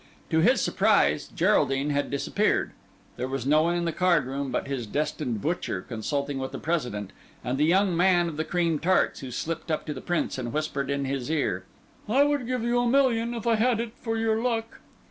To his surprise Geraldine had disappeared. There was no one in the card room but his destined butcher consulting with the President, and the young man of the cream tarts, who slipped up to the Prince, and whispered in his ear:— "I would give a million, if I had it, for your luck."